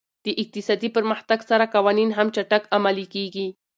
د اقتصادي پرمختګ سره قوانین هم چټک عملي کېږي.